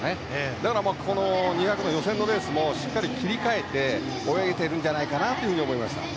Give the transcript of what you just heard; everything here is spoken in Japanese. だから、２００の予選のレースもしっかり切り替えて泳げているんじゃないかと思います。